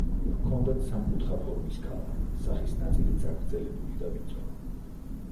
ჰქონდათ სამკუთხა ფორმის ქალა, სახის ნაწილი წაგრძელებული და ვიწრო.